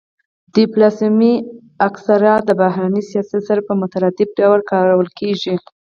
ډیپلوماسي اکثرا د بهرني سیاست سره په مترادف ډول کارول کیږي